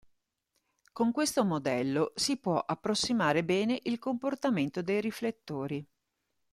Con questo modello si può approssimare bene il comportamento dei riflettori.